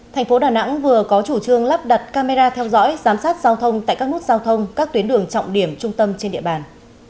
thành phố đà nẵng vừa có chủ trương lắp đặt camera theo dõi giám sát giao thông tại các nút giao thông các tuyến đường trọng điểm trung tâm trên địa bàn